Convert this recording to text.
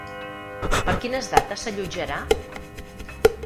Per quines dates s'allotjarà?